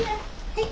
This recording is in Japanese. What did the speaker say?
はい。